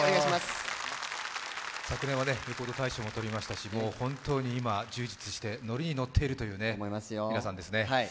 昨年はレコード大賞もとりましたし、今、充実してノリにノっている皆さんですね。